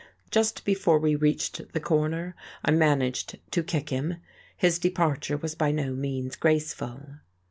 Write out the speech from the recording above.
Just before we reached the corner I managed to kick him. His departure was by no means graceful.